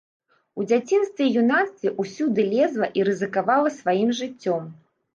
У дзяцінстве і юнацтве ўсюды лезла і рызыкавала сваім жыццём.